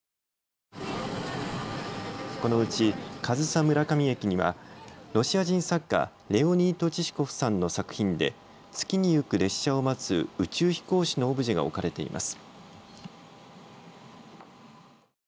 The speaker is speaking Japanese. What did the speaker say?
このうち上総村上駅にはロシア人作家、レオニート・チシコフさんの作品で月に行く列車を待つ宇宙飛行士のオブジェが置かれています。